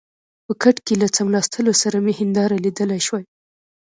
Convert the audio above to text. په کټ کې له څملاستو سره مې هنداره لیدلای شوای.